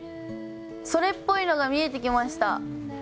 それっぽいのが見えてきました。